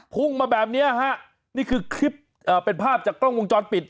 พุ่งมาแบบเนี้ยฮะนี่คือคลิปเป็นภาพจากกล้องวงจรปิด